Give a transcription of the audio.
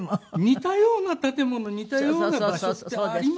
似たような建物似たような場所ってありますもんね。